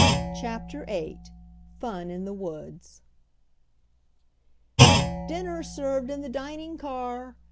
CHAPTER VIII FUN IN THE WOODS "Dinner served in the dining car!"